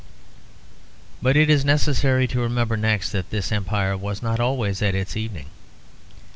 But it is necessary to remember next that this empire was not always at its evening.